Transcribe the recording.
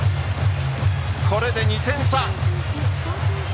これで２点差。